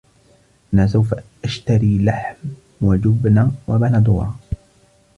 انا سوف اشتري لحم وجبنة وبندورة